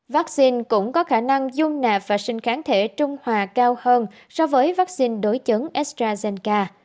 vaccine cũng có khả năng dung nạp và sinh kháng thể trung hòa cao hơn so với vaccine đối chấn astrazenk